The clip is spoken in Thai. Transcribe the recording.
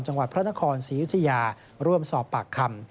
จังหวัดพระนครศรียุธยาร่วมสอบปากคำ